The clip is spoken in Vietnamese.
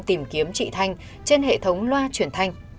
tìm kiếm chị thanh trên hệ thống loa truyền thanh